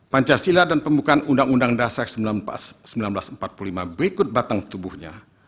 pancasila dan pembukaan undang undang dasar seribu sembilan ratus empat puluh lima berikut batang tubuhnya